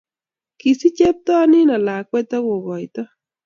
Kisich chepto nino lakwet akukoito